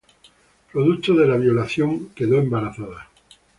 Producto de la violación, quedó embarazada.